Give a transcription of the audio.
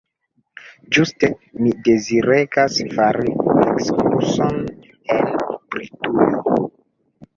Ĝuste mi deziregas fari ekskurson en Britujo.